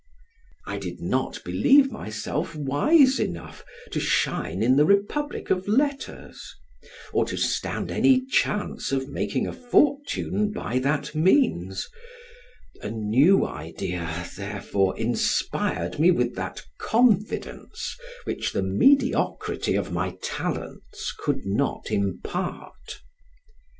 I did not believe myself wise enough to shine in the republic of letters, or to stand any chance of making a fortune by that means; a new idea, therefore, inspired me with that confidence, which the mediocrity of my talents could not impart.